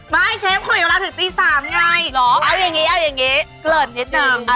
ไม่เชฟคุยกับเราถึงตีสามไง